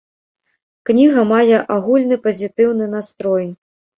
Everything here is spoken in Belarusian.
Кніга мае агульны пазітыўны настрой.